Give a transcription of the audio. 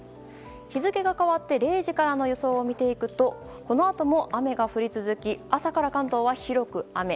日付が変わって０時からの予想を見ていくとこのあとも雨が降り続き朝から関東は広く雨。